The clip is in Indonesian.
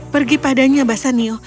pergi padanya bassanio